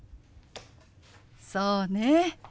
そうね。